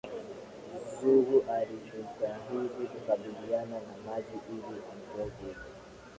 Zugu alijitahidi kukabiliana na maji ili amtoe Jacob